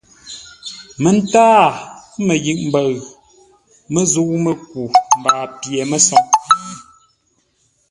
Məntâa məyʉʼ mbəu məzəu-mə́ku mbaa pye məsoŋ.